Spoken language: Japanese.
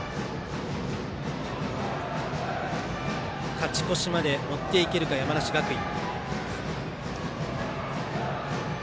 勝ち越しまで持っていけるか山梨学院。